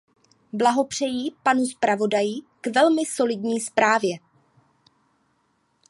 Blahopřeji panu zpravodaji k velmi solidní zprávě.